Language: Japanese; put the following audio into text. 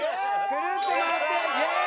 くるっと回ってイエイ！